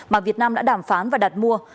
mà việt nam đã đảm phán và đặt mua